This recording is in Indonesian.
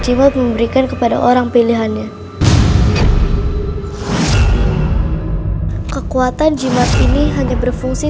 jimat memberikan kepada orang pilihannya kekuatan jimat ini hanya berfungsi